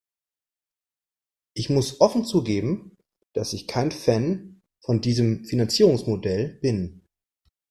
Ich muss offen zugeben, dass ich kein Fan von diesem Finanzierungsmodell bin.